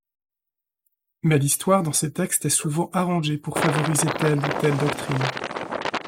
Mais l'histoire dans ces textes est souvent arrangée pour favoriser telle ou telle doctrine.